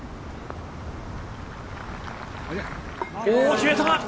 決めた！